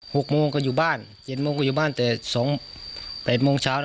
หกโมงก็อยู่บ้านเจ็ดโมงก็อยู่บ้านแต่สองแปดโมงเช้าน่ะ